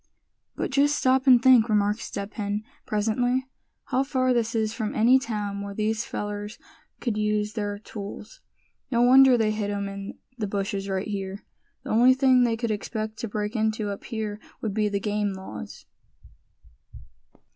"But just stop and think," remarked Step Hen, presently, "how far this is from any town where these fellers could use their tools. No wonder they hid 'em in the bushes right here. The only thing they could expect to break into up here would be the game laws."